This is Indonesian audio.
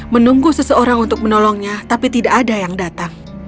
menunggu seseorang untuk menolongnya tapi tidak ada yang datang